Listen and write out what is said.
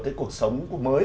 cái cuộc sống mới